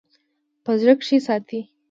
په زړه کښې ساتي--